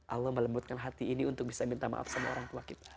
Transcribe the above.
allah melembutkan hati ini untuk bisa minta maaf kepada ayah kita